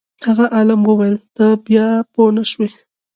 هغه عالم وویل ته بیا پوه نه شوې.